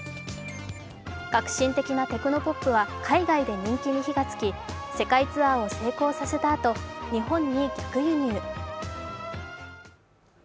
革新的なテクノポップは海外で人気に火がつき、世界ツアーを成功させたあと日本に逆輸入。